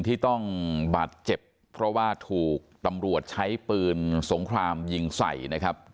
ที่ต้องบาดเจ็บเพราะว่าถูกตำรวจใช้ปืนสงครามยิงใส่นะครับ